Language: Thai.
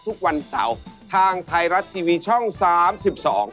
ทุกวันเสาร์ทางไทยรัชทีวีช่องที่๓๒